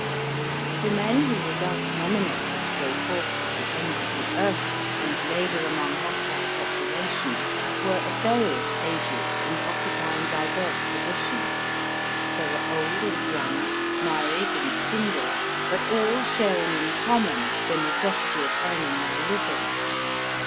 The men who were thus nominated to go forth to the ends of the earth and labour among hostile populations were of various ages and occupying diverse positions. There were old and young, married and single, but all sharing in common the necessity of earn ing their living.